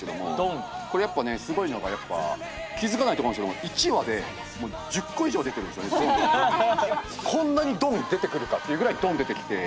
これやっぱねすごいのがやっぱ気付かないと思うんですけどもこんなに「ドン！」出てくるかっていうぐらい「ドン！」出てきて。